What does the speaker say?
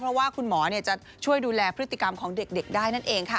เพราะว่าคุณหมอจะช่วยดูแลพฤติกรรมของเด็กได้นั่นเองค่ะ